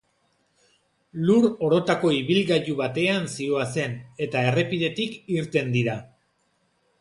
Lur orotako ibilgailu batean zihoazen, eta errepidetik irten dira.